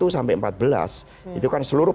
sampai empat belas itu kan seluruh